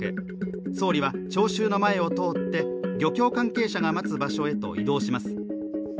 総理は聴衆の前を通って漁協関係者が待つ場所へと移動します。